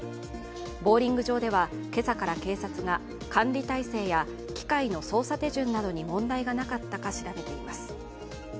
ボウリング場では今朝から警察が管理体制や機械の操作手順などに問題がなかったか調べています。